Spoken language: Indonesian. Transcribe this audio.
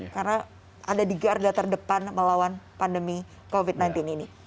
karena ada di garda terdepan melawan pandemi covid sembilan belas ini